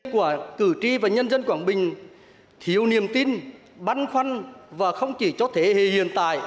của cử tri và nhân dân quảng bình thiếu niềm tin băn khoăn và không chỉ cho thế hệ hiện tại